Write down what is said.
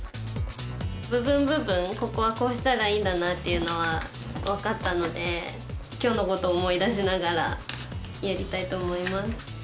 部分部分ここはこうしたらいいんだなっていうのは分かったのできょうのことを思い出しながらやりたいと思います。